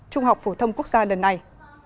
trung học phổ thông quốc gia lần này